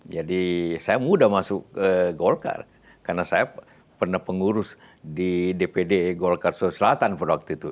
jadi saya muda masuk golkar karena saya pernah pengurus di dpd golkar sulawesi selatan pada waktu itu